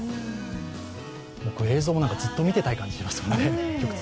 映像、なんかずっと見ていたい感じがしますね。